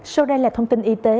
sau đây là thông tin y tế